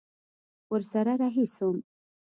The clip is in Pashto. ورسره رهي سوم.